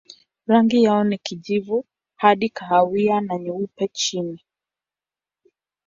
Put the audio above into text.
Rangi yao ni kijivu hadi kahawia na nyeupe chini.